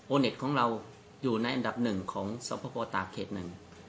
เน็ตของเราอยู่ในอันดับหนึ่งของสวพกรตากเขตหนึ่ง